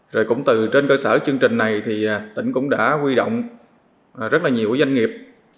rồi cũng từ trên cơ sở chương trình này thì tỉnh cũng đã quy động rất là nhiều doanh nghiệp